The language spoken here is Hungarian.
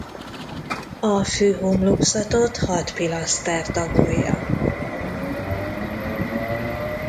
A főhomlokzatot hat pilaszter tagolja.